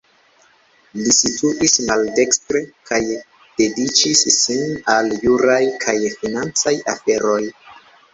Li situis maldekstre kaj dediĉis sin al juraj kaj financaj aferoj.